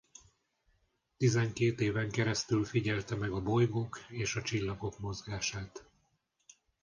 Tizenkét éven keresztül figyelte meg a bolygók és a csillagok mozgását.